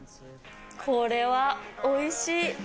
これはおいしい。